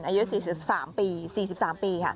อายุ๔๓ปี๔๓ปีค่ะ